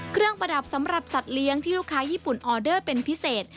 ประดับสำหรับสัตว์เลี้ยงที่ลูกค้าญี่ปุ่นออเดอร์เป็นพิเศษ